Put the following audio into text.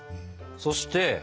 そして！